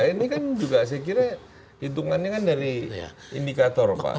ini kan juga saya kira hitungannya kan dari indikator pak